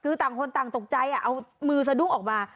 คือต่างคนต่างตกใจเอามือสะดุ้งออกมา